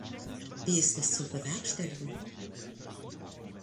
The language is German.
Wie ist das zu bewerkstelligen?